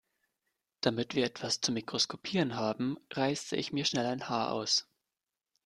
Damit wir etwas zum Mikroskopieren haben, reiße ich mir schnell ein Haar aus.